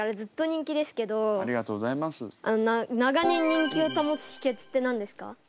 長年人気をたもつひけつって何ですか？